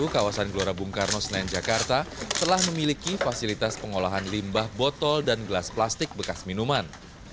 kawasan gelora bung karno senayan jakarta telah memiliki fasilitas pengolahan limbah botol dan gelas plastik bekas minuman